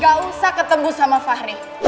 gak usah ketemu sama fahri